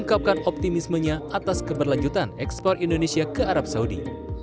atas keberlanjutan ekspor indonesia ke arab saudi